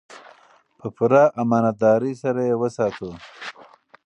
په پوره امانتدارۍ سره یې وساتو.